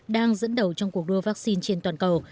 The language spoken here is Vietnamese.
đang dẫn đầu trong cuộc đua vaccine trên toàn cầu